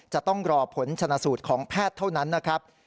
จะต้องรอผลชนะสูตรของแพทย์เท่านั้นนะครับ